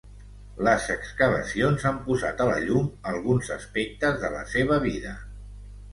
Les excavacions han posat a la llum alguns aspectes de la seva vida.